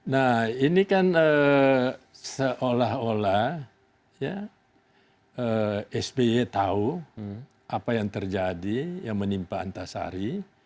nah ini kan seolah olah sby tahu apa yang terjadi yang menimpa antasari